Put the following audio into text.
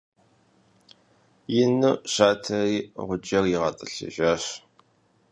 Ину щатэри, гъуджэр игъэтӀылъыжащ.